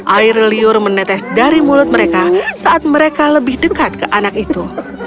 air liur menetes dari mulut mereka saat mereka lebih dekat ke anak itu